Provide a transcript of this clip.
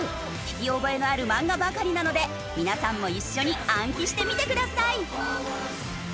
聞き覚えのある漫画ばかりなので皆さんも一緒に暗記してみてください。